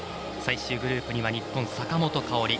最終グループには日本、坂本花織。